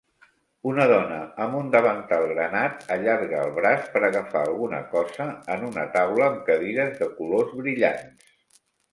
Una dona amb un davantal granat allarga el braç per agafar alguna cosa en una taula amb cadires de colors brillants.